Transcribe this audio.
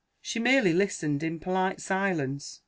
She merely listened in polite silence.